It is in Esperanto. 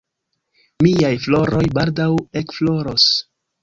Miaj floroj baldaŭ ekfloros.